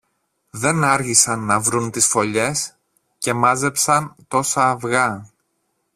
Δεν άργησαν να βρουν τις φωλιές και μάζεψαν τόσα αυγά